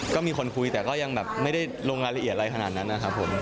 ก็มีคนคุยแต่ก็ยังแบบไม่ได้ลงรายละเอียดอะไรขนาดนั้นนะครับผม